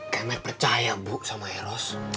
kemer percaya bu sama eros